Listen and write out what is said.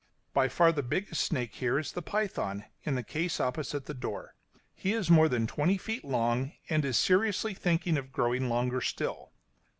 By far the biggest snake here is the python, in the case opposite the door; he is more than twenty feet long, and is seriously thinking of growing longer still.